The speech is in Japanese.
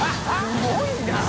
すごいな！